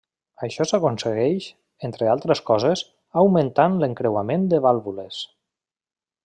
Això s'aconsegueix, entre altres coses, augmentant l'encreuament de vàlvules.